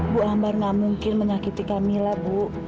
bu ambar nggak mungkin menyakiti kamila bu